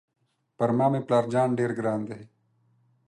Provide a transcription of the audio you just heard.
پر ما مې پلار جان ډېر ګران دی.